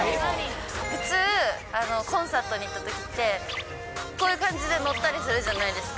普通、コンサートに行ったときって、こういう感じで乗ったりするじゃないですか。